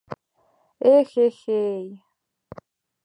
Эх-хе-хей!